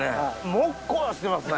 もっこしてますね。